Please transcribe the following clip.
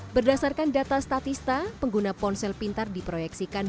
berdasarkan data statista pengguna ponsel pintar diproyeksikan